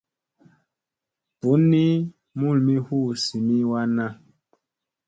Bunni mulmi hu zimi wanna.